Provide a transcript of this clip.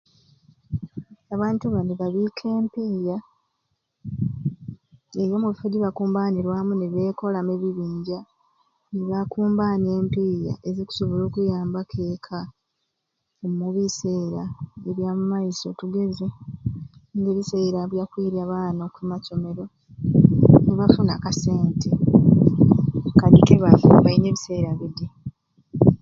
Abantu bani babika empiya era omubifo byebakumbanirwamu nibekolamu ebibinja ebikusobola okuyambaku ekka ombiseera bya mumaiso tugeze omubiseera bya kwirya abaana omumasomero mbafuna akasente kebakumbainye ebiseera bidi.